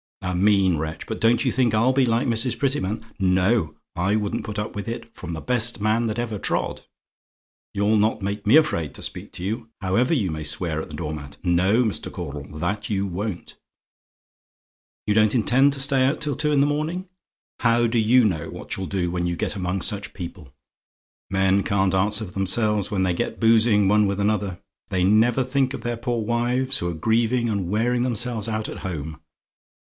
A mean wretch! But don't you think I'll be like Mrs. Prettyman. No: I wouldn't put up with it from the best man that ever trod. You'll not make me afraid to speak to you, however you may swear at the door mat. No, Mr. Caudle, that you won't. "YOU DON'T INTEND TO STAY OUT TILL TWO IN THE MORNING? "How do you know what you'll do when you get among such people? Men can't answer for themselves when they get boozing one with another. They never think of their poor wives, who are grieving and wearing themselves out at home.